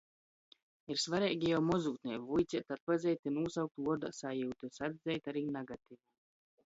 Ir svareigi jau mozūtnē vuiceit atpazeit i nūsaukt vuordā sajiutys, atzeit ari nagativū.